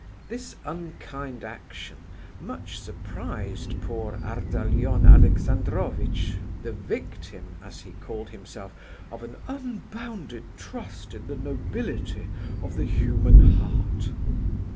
This unkind action much surprised poor Ardalion Alexandrovitch, the victim, as he called himself, of an "unbounded trust in the nobility of the human heart."